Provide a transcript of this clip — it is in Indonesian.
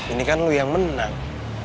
ini kan lo yang menang